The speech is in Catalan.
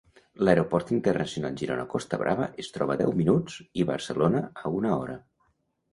L'Aeroport Internacional Girona Costa Brava es troba a deu minuts i Barcelona a una hora.